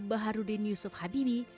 baharudin yusuf habibi